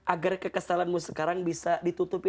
agar kekesalanmu sekarang bisa ditutupi